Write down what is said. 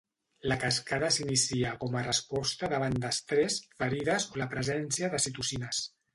La cascada s’inicia com a resposta davant d'estrés, ferides o la presència de citocines.